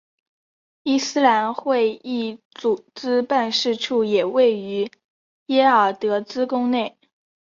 伊斯兰会议组织办事处也位于耶尔德兹宫内。